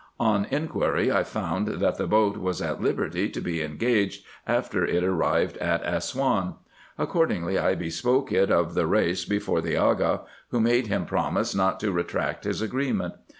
On inquiry I found that the boat was at liberty to be engaged after it arrived at Assouan. Accordingly I bespoke it of the Reis, before the Aga, who made him promise not to retract his agreement.